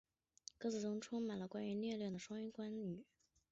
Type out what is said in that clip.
歌词中充满了关于虐恋的双关语。